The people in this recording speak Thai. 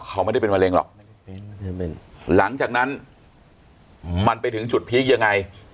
เขาไม่ได้เป็นมะเร็งหรอกหลังจากนั้นมันไปถึงจุดพีคยังไง